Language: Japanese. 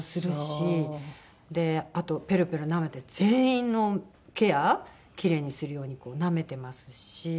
であとペロペロなめて全員のケアキレイにするようにこうなめてますし。